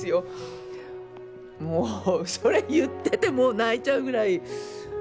もうそれ言ってても泣いちゃうぐらい。